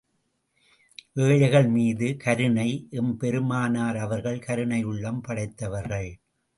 ஏழைகள் மீது கருணை எம்பெருமானார் அவர்கள் கருணையுள்ளம் படைத்தவர்கள்.